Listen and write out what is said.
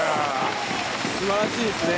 素晴らしいですね。